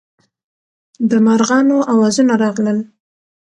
د مارغانو اوازونه راغلل.